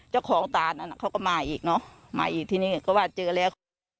คุณบางตาเขาก็มาอีกมาอีกที่นี่ก็ว่าเจอแล้ว